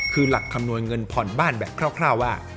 คือหลักคำนวณเงินผ่อนบ้านแบบคร่าวว่า